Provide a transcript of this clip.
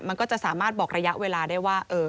มันก็จะสามารถบอกระยะเวลาได้ว่า